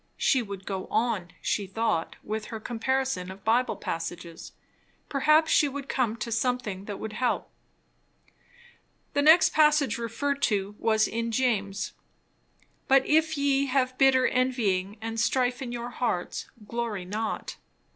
She would go on, she thought, with her comparison of Bible passages; perhaps she would come to something that would help. The next passage referred to was in James. "But if ye have bitter envying and strife in your hearts, glory not...